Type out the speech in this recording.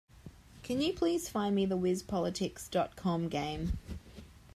Can you please find me the Wispolitics.com game?